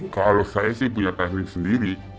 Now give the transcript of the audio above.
kalau saya sih punya teknik sendiri